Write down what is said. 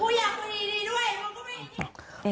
กูอยากมีดีด้วยมึงก็ไม่อยากมี